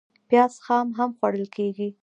پیاز خام هم خوړل کېږي